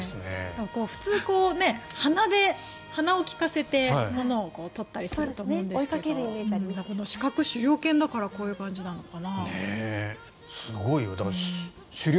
普通、鼻を利かせてものを取ったりすると思うんですけど視覚狩猟犬だからこういう感じなのかな。